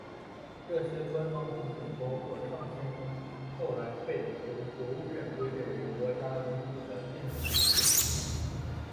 这些官方通信包括上千封后来被由国务院归类为国家机密的电子邮件。